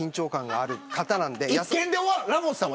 ラモスさん